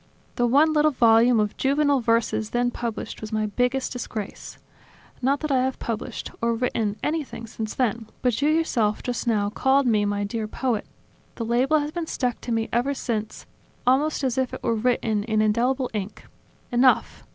The one little volume of juvenile verses then published was my biggest disgrace. Not that I have published, or written anything, since then; but you yourself, just now, called me 'my dear poet'! The label has been stuck to me ever since, almost as if it were written in indelible ink. Enough.